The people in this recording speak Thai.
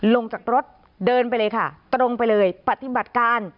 ลงจากรถเดินไปเลยค่ะตรงไปเลยปฏิบัติการ